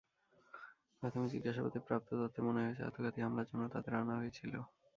প্রাথমিক জিজ্ঞাসাবাদে প্রাপ্ত তথ্যে মনে হয়েছে, আত্মঘাতী হামলার জন্য তাঁদের আনা হয়েছিল।